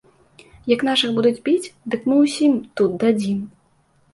Як нашых будуць біць, дык мы ўсім тут дадзім!